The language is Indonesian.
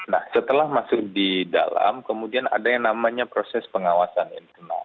nah setelah masuk di dalam kemudian ada yang namanya proses pengawasan internal